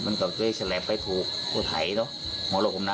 มันก็เกลียดแสลบไปถูกถูกไถหัวหลวงผมน่ะ